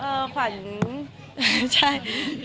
เออขวัญใช่